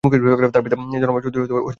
তার পিতা জনাব আলী চৌধুরী ও মা রাবেয়া খাতুন।